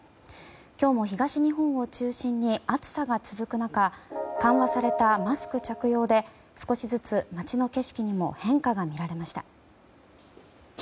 今日も東日本を中心に暑さが続く中緩和されたマスク着用で少しずつ街の景色にも変化が見られました。